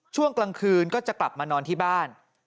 ช่วงกลางคืนก็จะกลับมานอนที่บ้าน